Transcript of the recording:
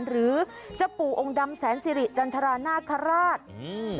หรือเจ้าปู่องค์ดำแสนสิริจันทรานาคาราชอืม